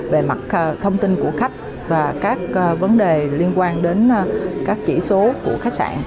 về mặt thông tin của khách và các vấn đề liên quan đến các chỉ số của khách sạn